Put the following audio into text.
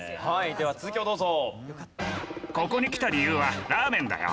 では続きをどうぞ。